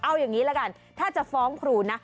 เอาอย่างนี้ละกันถ้าจะฟ้องครูนะ